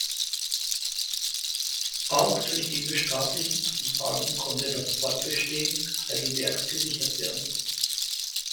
Auch durch diese staatlichen Zusagen konnte das Fortbestehen Heidelbergs gesichert werden.